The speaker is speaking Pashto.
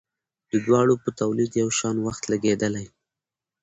د دواړو په تولید یو شان وخت لګیدلی.